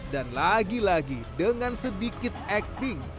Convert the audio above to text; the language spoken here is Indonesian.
dan lagi lagi dengan sedikit acting